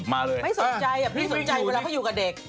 มาเลยไม่สนใจอ่ะพี่สนใจเวลาเขาอยู่กับเด็ก